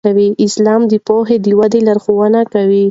اسلام د پوهې د ودې لارښوونه کوي.